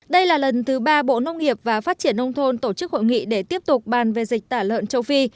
đây là lần thứ ba bộ nông nghiệp và phát triển nông thôn tổ chức hội nghị để tiếp tục bàn về dịch tả lợn châu phi